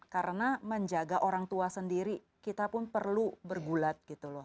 karena menjaga orang tua sendiri kita pun perlu bergulat gitu loh